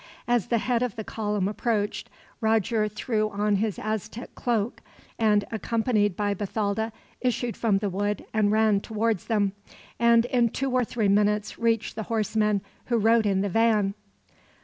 As the head of the column approached, Roger threw on his Aztec cloak and, accompanied by Bathalda, issued from the wood and ran towards them, and in two or three minutes reached the horsemen who rode in the van.